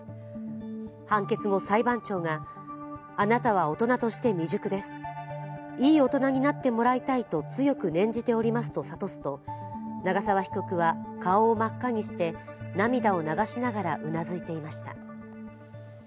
判決後、裁判長が、あなたは大人として未熟です、いい大人になってもらいたいと強く念じておりますと諭すと長沢被告は顔を真っ赤にして涙を流しながらうなずいていました。